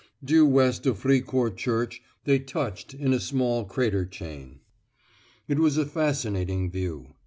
Due west of Fricourt church they touched in a small crater chain. It was a fascinating view.